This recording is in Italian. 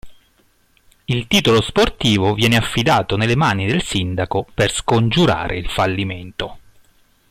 Il titolo sportivo viene affidato nelle mani del sindaco per scongiurare il fallimento.